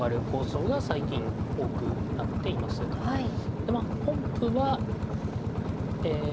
でまあ本譜はえ